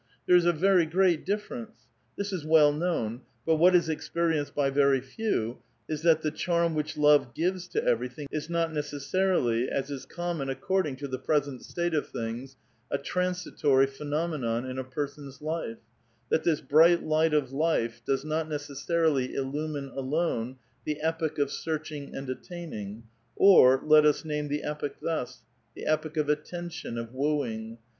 There is a very great difference. This is well known ; but what is experienced by very few is that the chaim which love gives to everything is not necessarily, as is common according to the present state of things, a transitory phenomenon in a person's life ; that this bright light of life does not necessarily illumine alone the epoch of searching and atUiining, or, let us name the eixKh thus : the epoch of attention, of wooing.